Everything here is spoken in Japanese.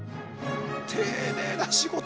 丁寧な仕事。